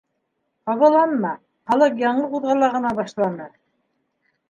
Ҡабаланма, халыҡ яңы ҡуҙғала ғына башланы.